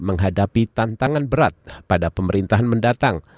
menghadapi tantangan berat pada pemerintahan mendatang